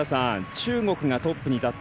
中国がトップに立った。